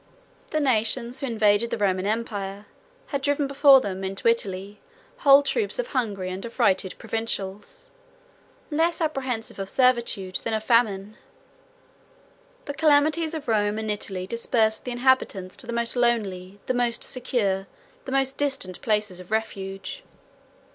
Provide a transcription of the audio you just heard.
111 The nations who invaded the Roman empire, had driven before them, into Italy, whole troops of hungry and affrighted provincials, less apprehensive of servitude than of famine. The calamities of Rome and Italy dispersed the inhabitants to the most lonely, the most secure, the most distant places of refuge.